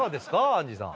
アンジーさん。